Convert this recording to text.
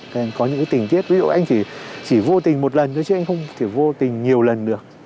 nên có những cái tình tiết ví dụ anh chỉ vô tình một lần thôi chứ anh không thể vô tình nhiều lần được